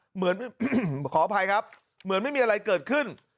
เหมือนขออภัยครับเหมือนไม่มีอะไรเกิดขึ้น